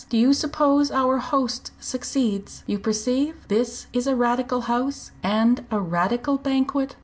Do you suppose our host succeeds? You perceive? this is a Radical house and a Radical banquet?"